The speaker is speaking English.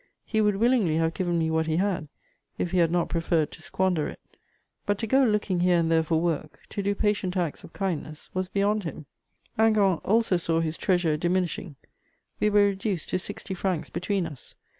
He would willingly have given me what he had, if he had not preferred to squander it; but to go looking here and there for work, to do patient acts of kindness, was beyond him. Hingant also saw his treasure diminishing; we were reduced to sixty francs between us.